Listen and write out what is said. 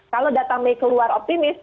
kalau data mei keluar optimis